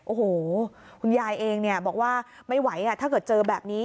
โอ้โหคุณยายเองบอกว่าไม่ไหวถ้าเกิดเจอแบบนี้